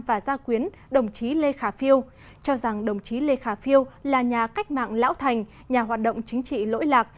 và gia quyến đồng chí lê khả phiêu cho rằng đồng chí lê khả phiêu là nhà cách mạng lão thành nhà hoạt động chính trị lỗi lạc